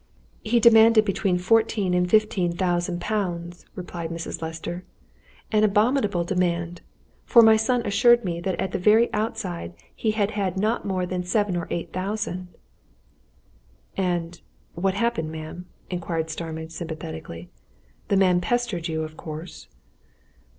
"He demanded between fourteen and fifteen thousand pounds," replied Mrs. Lester. "An abominable demand! for my son assured me that at the very outside he had not had more than seven or eight thousand." "And what happened, ma'am?" inquired Starmidge sympathetically. "The man pestered you, of course!"